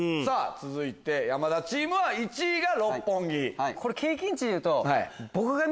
続いて山田チームは１位が六本木。